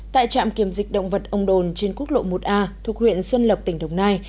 tại trạm kiểm dịch động vật ông đồn trên quốc lộ một a thuộc huyện xuân lộc tỉnh đồng nai